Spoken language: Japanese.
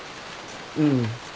うん。